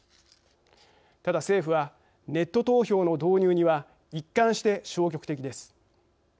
ただ、政府はネット投票の導入には一貫して消極的です。